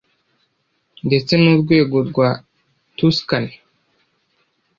Ndetse nurwego rwa Tuscany